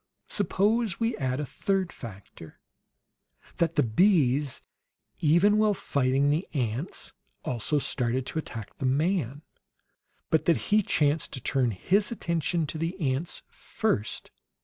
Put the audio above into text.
Suppose we add a third factor: that the bees, even while fighting the ants, also started to attack the man; but that he chanced to turn his attention to the ants FIRST.